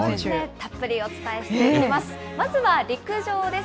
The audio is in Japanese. たっぷりお伝えしていきます。